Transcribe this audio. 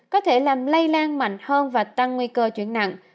có thể làm lây lan mạnh hơn và tăng nguy cơ chuyển nặng